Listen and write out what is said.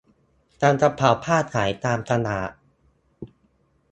ทำกระเป๋าผ้าขายตามตลาด